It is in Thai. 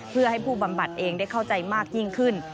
เพื่อให้ผู้บำบัดเองได้เข้าใจมากยิ่งขึ้น